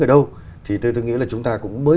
ở đâu thì tôi nghĩ là chúng ta cũng mới